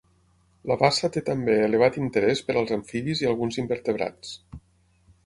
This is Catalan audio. La bassa té també elevat interès per als amfibis i alguns invertebrats.